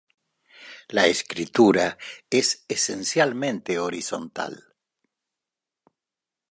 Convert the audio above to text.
La escritura es esencialmente horizontal.